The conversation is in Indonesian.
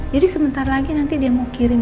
jadi sebentar lagi nanti dia mau kirim